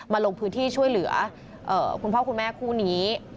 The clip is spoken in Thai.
ลงพื้นที่ช่วยเหลือคุณพ่อคุณแม่คู่นี้